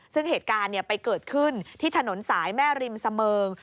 ซึ่งเหตุการณ์ไปเกิดขึ้นที่ถนนสายแม่ริมเสมิง